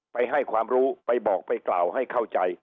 ให้ความรู้ไปบอกไปกล่าวให้เข้าใจ